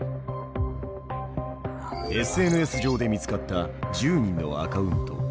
ＳＮＳ上で見つかった１０人のアカウント。